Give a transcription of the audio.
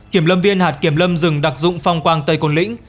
kiểm lâm viên hạt kiểm lâm rừng đặc dụng phong quang tây côn lĩnh